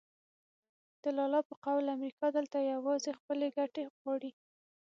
د لالا په قول امریکا دلته یوازې خپلې ګټې غواړي.